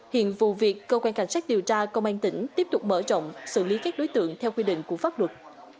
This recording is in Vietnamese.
hiện vụ việc cơ quan cảnh sát điều tra công an tỉnh tiếp tục mở rộng xử lý các đối tượng theo quy định của pháp luật